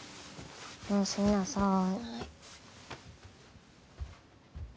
おやすみなさい。